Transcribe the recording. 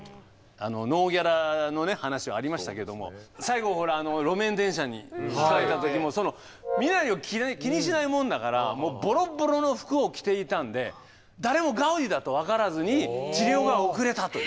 ノーギャラの話がありましたけれども最後路面電車にひかれた時も身なりを気にしないもんだからボロボロの服を着ていたんで誰もガウディだと分からずに治療が遅れたという。